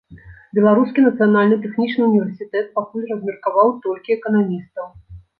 Беларускі нацыянальны тэхнічны ўніверсітэт пакуль размеркаваў толькі эканамістаў.